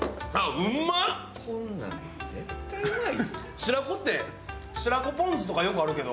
白子って白子ぽん酢とかよくあるけど。